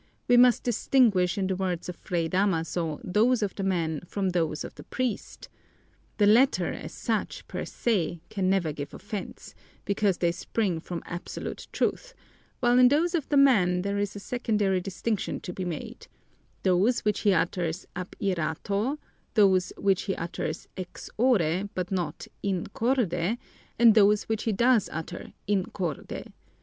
We must distinguish in the words of Fray Damaso those of the man from those of the priest. The latter, as such, per se, can never give offense, because they spring from absolute truth, while in those of the man there is a secondary distinction to be made: those which he utters ab irato, those which he utters ex ore, but not in corde, and those which he does utter in corde.